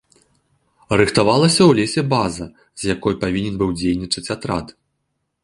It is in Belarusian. Рыхтавалася ў лесе база, з якой павінен быў дзейнічаць атрад.